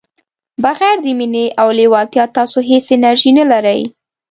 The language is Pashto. بغير د مینې او لیوالتیا تاسو هیڅ انرژي نه لرئ.